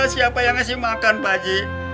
siapa yang ngasih makan pak haji